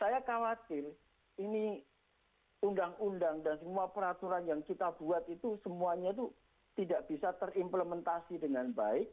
saya khawatir ini undang undang dan semua peraturan yang kita buat itu semuanya itu tidak bisa terimplementasi dengan baik